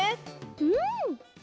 うん！